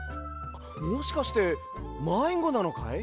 もしかしてまいごなのかい？